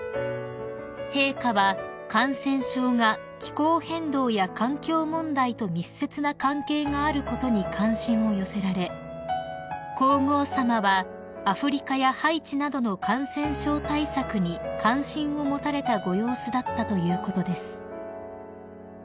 ［陛下は感染症が気候変動や環境問題と密接な関係があることに関心を寄せられ皇后さまはアフリカやハイチなどの感染症対策に関心を持たれたご様子だったということです］